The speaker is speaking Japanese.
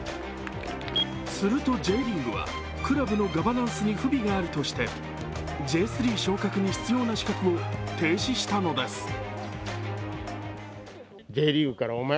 するとＪリーグは、クラブのガバナンスに不備があるとしてＪ３昇格に必要な資格を停止したのです。